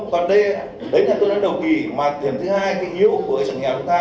còn đây đấy là tôi nói đầu kỳ mà điểm thứ hai cái yếu với chuẩn nghèo của chúng ta